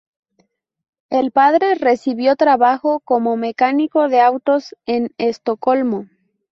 El padre recibió trabajo como mecánico de autos en Estocolmo.